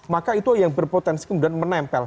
maka itu yang berpotensi kemudian menempel